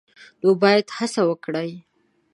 نو باید هڅه وکړي